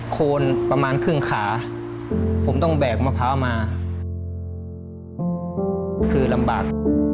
โคนประมาณครึ่งขาผมต้องแบกมะพร้าวมาคือลำบาก